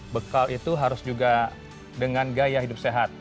bekal itu harus juga dengan gaya hidup sehat